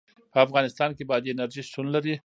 په افغانستان کې بادي انرژي شتون لري.